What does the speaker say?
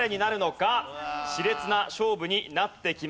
熾烈な勝負になってきます。